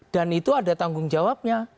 dan itu ada tanggung jawabnya